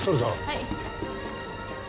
はい。